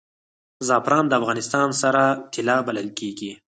زعفران د افغانستان سره طلا بلل کیږي